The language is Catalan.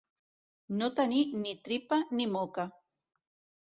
No tenir ni tripa ni moca.